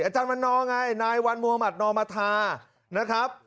อาจารย์วันนอร์ไงนายวันมุมัตินอมธานะครับ